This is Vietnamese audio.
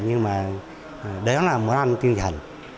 nhưng mà đấy nó là món ăn tinh thần